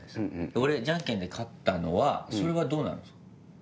俺じゃんけんで勝ったのはそれはどうなるんですか？